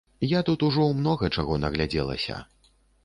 Я тут ужо многа чаго нагледзелася.